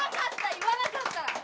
言わなかった。